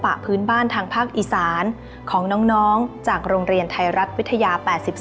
พื้นบ้านทางภาคอีสานของน้องจากโรงเรียนไทยรัฐวิทยา๘๒